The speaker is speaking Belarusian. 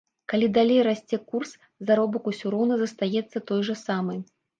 Калі далей расце курс, заробак усё роўна застаецца той жа самы.